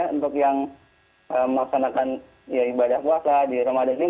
untuk yang melaksanakan ibadah puasa di ramadan ini